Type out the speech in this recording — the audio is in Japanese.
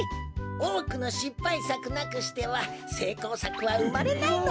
おおくのしっぱいさくなくしてはせいこうさくはうまれないのだ。